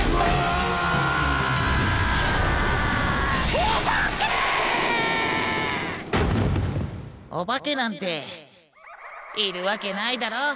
いそうおばけなんているわけないだろ？